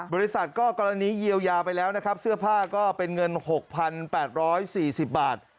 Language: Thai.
บริษัทก็กรณีเยียวยาไปแล้วนะครับเสื้อผ้าก็เป็นเงิน๖๘๔๐บาท